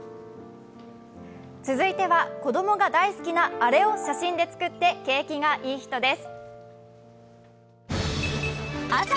続いては、子供が大好きなあれを写真で作って景気がイイ人です。